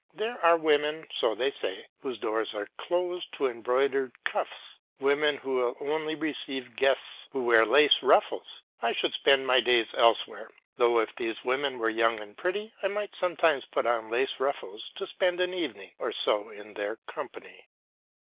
There are women, so they say, whose doors are closed to embroidered cuffs, women who will only receive guests who wear lace ruffles; I should spend my days elsewhere; though if these women were young and pretty I might sometimes put on lace ruffles to spend an evening or so in their company.